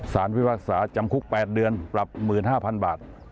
วิพากษาจำคุก๘เดือนปรับ๑๕๐๐๐บาท